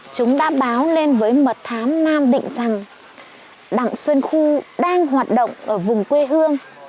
chúng đã báo lên với mật thám nam định rằng đặng xuân khu đang hoạt động ở vùng quê hương